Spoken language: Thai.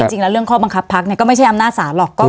ในจริงนะเรื่องบังคับภักษ์ก็ไม่ใช่อำนาจศาสตร์หรอก